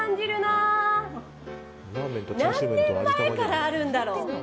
何年前からあるんだろう。